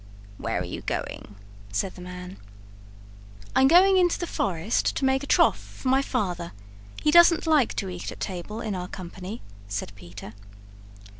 "Where are you going?" said the man. "I'm going into the forest to make a trough for my father. He doesn't like to eat at table in our company," said Peter.